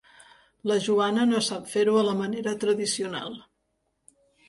La Joana no sap fer-ho a la manera tradicional.